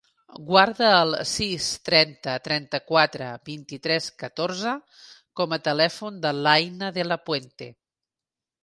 Guarda el sis, trenta, trenta-quatre, vint-i-tres, catorze com a telèfon de l'Aïna De La Puente.